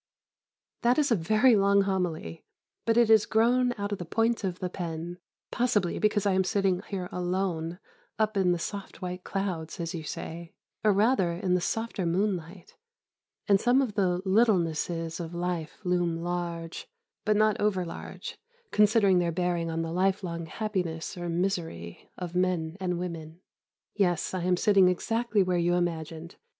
That is a very long homily, but it has grown out of the point of the pen, possibly because I am sitting here alone, "up in the soft white clouds," as you say, or rather in the softer moonlight; and some of the littlenesses of life loom large, but not over large, considering their bearing on the lifelong happiness, or misery, of men and women. Yes, I am sitting exactly where you imagined.